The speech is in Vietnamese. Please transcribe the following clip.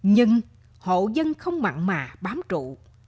nhưng hộ dân không mặn mà bám trụ